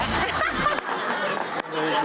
เปลี่ยนตัวเองกันสิเปลี่ยนตัวเองกันสิ